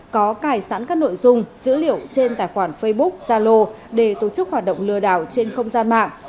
có cải sẵn các nội dung dữ liệu trên tài khoản facebook zalo để tổ chức hoạt động lừa đảo trên không gian mạng